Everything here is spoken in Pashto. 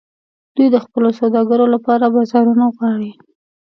دوی د خپلو سوداګرو لپاره بازارونه غواړي